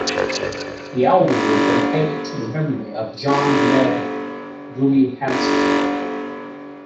The album is dedicated to the memory of John Med Gummihandsken.